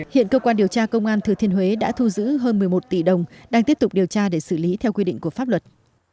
hiện cơ quan điều tra công an thừa thiên huế đã thu giữ hơn một mươi một tỷ đồng đang tiếp tục điều tra để xử lý theo quy định của pháp luật